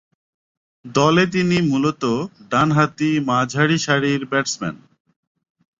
দলে তিনি মূলতঃ ডানহাতি মাঝারি সারির ব্যাটসম্যান।